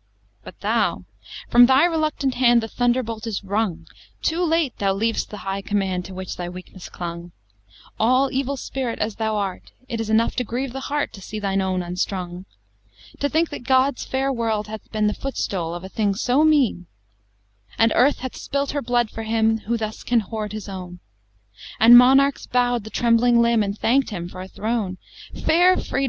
IX But thou from thy reluctant hand The thunderbolt is wrung Too late thou leav'st the high command To which thy weakness clung; All Evil Spirit as thou art, It is enough to grieve the heart To see thine own unstrung; To think that God's fair world hath been The footstool of a thing so mean; X And Earth hath spilt her blood for him, Who thus can hoard his own! And Monarchs bow'd the trembling limb, And thank'd him for a throne! Fair Freedom!